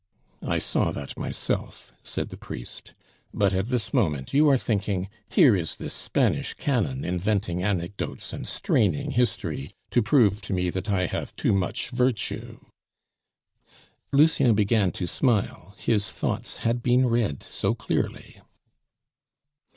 "I saw that myself," said the priest. "But at this moment you are thinking, 'Here is this Spanish canon inventing anecdotes and straining history to prove to me that I have too much virtue '" Lucien began to smile; his thoughts had been read so clearly.